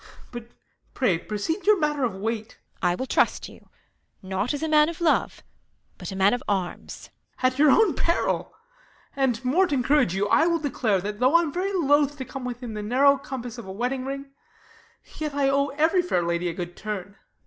But, pray proceed to your matter of weight. Beat. I will trust you ; not as a man of love. But a man of arms. Ben. At your own peril ! And, more t'encourage you, I will declare That though I'm very loth to come within The narrow compass of a wedding ring, Yet I owe every fair lady a good turn.